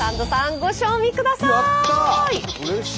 ご賞味ください！